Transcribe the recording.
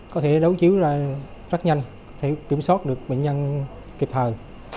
có thể đấu chiếu rất nhanh kiểm soát được bệnh nhân kịp thời